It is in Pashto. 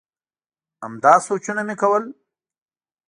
همدا سوچونه مي کول ؟